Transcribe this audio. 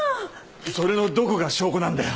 それのどこが証拠なんだよ。